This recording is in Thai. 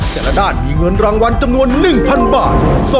แต่ละด้านมีเงินรางวัลจำนวน๑๐๐บาท